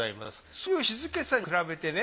そういう静けさに比べてね